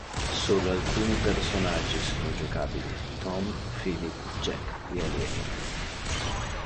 Solo alcuni personaggi sono giocabili: Tom, Philip, Jack, e Aliena.